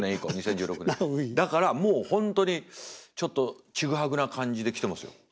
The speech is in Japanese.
だからもう本当にちょっとちぐはぐな感じできてますよ。